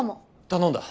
頼んだ。